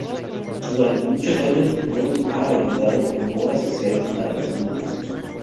Durante muchos años John ha ayudado en obras sociales para los niños.